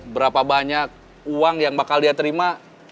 berapa banyak uang yang bakal dia terima